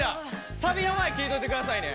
サビの前、聴いておいてくださいね。